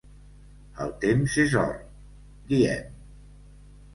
El temps és or, diem.